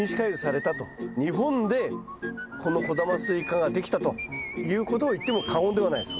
日本でこの小玉スイカができたということを言っても過言ではないです